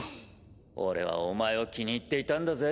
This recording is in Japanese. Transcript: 俺はお前を気に入っていたんだぜ？